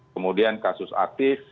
kemudian kasus aktif